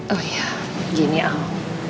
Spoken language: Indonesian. oh iya begini al